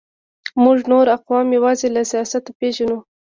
موږ نور اقوام یوازې له سیاست پېژنو.